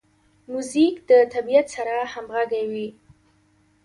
موزیک د طبیعت سره همغږی وي.